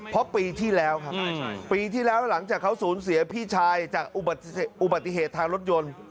เพราะปีที่แล้วครับปีที่แล้วหลังจากเขาสูญเสียพี่ชายจากอุบัติเหตุทางรถยนต์